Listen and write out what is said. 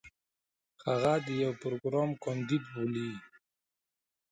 هغه د يو پروګرام کانديد بولي.